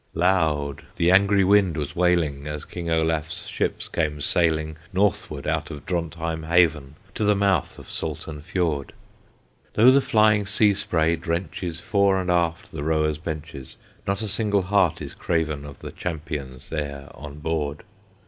Loud the angry wind was wailing As King Olaf's ships came sailing Northward out of Drontheim haven To the mouth of Salten Fiord. Though the flying sea spray drenches Fore and aft the rowers' benches, Not a single heart is craven Of the champions there on board.